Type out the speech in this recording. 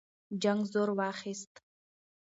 جنګ زور واخیست.